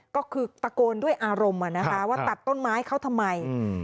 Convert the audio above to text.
ก็คือตะโกนด้วยอารมณ์ว่าตัดต้นไม้เขาทำไม